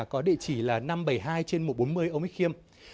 có địa chỉ là năm trăm bảy mươi hai trên một trăm bốn mươi ông ích khiêm